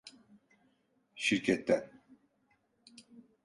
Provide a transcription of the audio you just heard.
Şirketten…